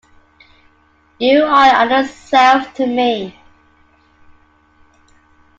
You are another self to me.